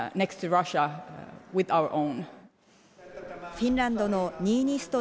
フィンランドのニーニスト